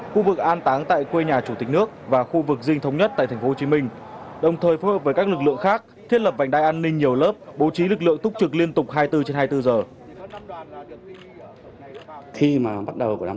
khu vực an táng tại quê nhà chủ tịch nước và khu vực dinh thống nhất tại tp hcm đồng thời phối hợp với các lực lượng khác thiết lập vành đai an ninh nhiều lớp bố trí lực lượng túc trực liên tục hai mươi bốn trên hai mươi bốn giờ